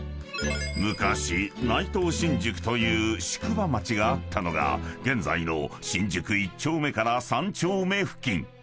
［昔内藤新宿という宿場町があったのが現在の新宿一丁目から三丁目付近］